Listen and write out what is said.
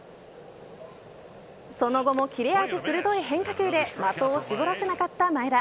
その後も切れ味鋭い変化球で的を絞らせなかった前田。